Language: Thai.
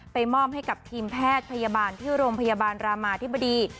มอบให้กับทีมแพทย์พยาบาลที่โรงพยาบาลรามาธิบดี